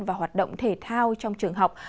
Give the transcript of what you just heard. và hoạt động thể thao trong trường học